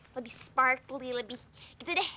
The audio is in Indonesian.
lebih sparkly lebih gitu deh